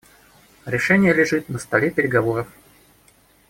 Решение лежит на столе переговоров.